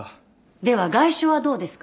では外傷はどうですか？